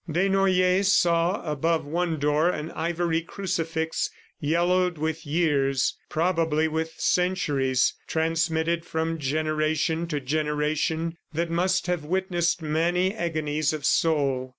Desnoyers saw above one door an ivory crucifix, yellowed with years, probably with centuries, transmitted from generation to generation, that must have witnessed many agonies of soul.